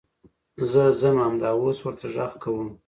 زه ځم همدا اوس ورته غږ کوم .